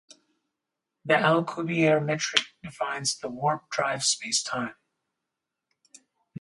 The Alcubierre metric defines the warp-drive spacetime.